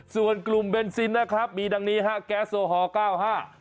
ส่วนกลุ่มเบนซินนะครับมีดังนี้ฮะแก๊สโอฮอลเก้าห้า